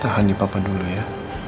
tahan di papa dulu ya